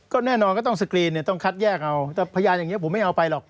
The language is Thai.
ก็แน่นอนก็ต้องสกรีนเนี่ยต้องคัดแยกเอาแต่พยานอย่างนี้ผมไม่เอาไปหรอก